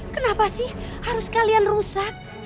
kenapa sih harus kalian rusak